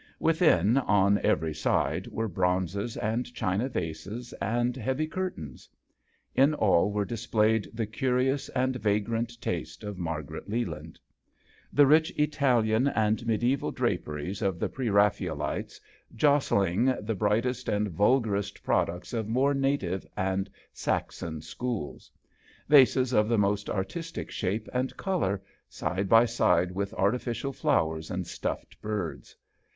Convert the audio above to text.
Within on every side were bronzes and china vases and heavy curtains. In all were dis played the curious and vagrant taste of Margaret Leland. The rich Italian and mediaeval draperies of the pre Raphaelites JOHN SHERMAN. 49 jostling the brightest and vulgar est products of more native and Saxon schools. Vases of the most artistic shape and colour side by side with artificial flowers and stuffed birds.